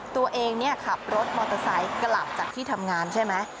ตัวเองขับรถมอเตอร์ไซค์กลับจากที่ทำงานใช่ไหม